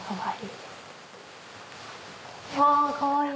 うわかわいい！